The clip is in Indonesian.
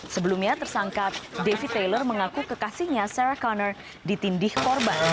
sebelumnya tersangka davi taylor mengaku kekasihnya serah connor ditindih korban